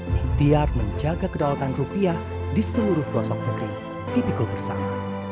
miktiar menjaga kedaulatan rupiah di seluruh pelosok negeri dipikul bersama